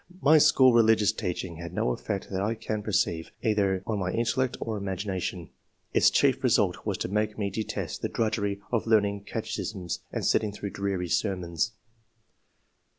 My school religious teaching had no effect that I can per ceive, either on my intellect or imagination. Its chief result was to make me detest the drudgery of learning catechisms and sitting through dreary sermons."